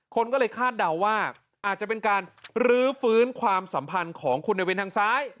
คนก็เลยคาดเดาว่าอาจจะเป็นการรื้อฟื้นความสัมพันธ์ของคุณในวินทางซ้าย